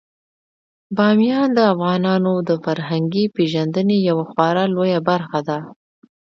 بامیان د افغانانو د فرهنګي پیژندنې یوه خورا لویه برخه ده.